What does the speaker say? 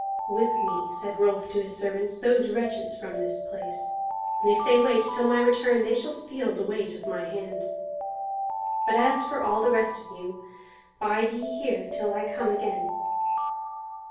"Whip me," said Rolf to his servants, "these wretches from this place; if they wait till my return they shall feel the weight of my hand. But as for all the rest of you, bide ye here till I come again."